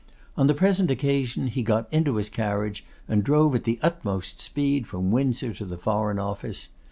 On the present occasion he got into his carriage, and drove at the utmost speed from Windsor to the Foreign Office.